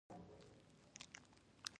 ځینې محصلین د شخصي پرمختګ په لټه کې وي.